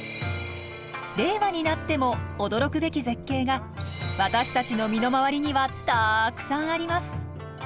令和になっても驚くべき絶景が私たちの身の回りにはたくさんあります。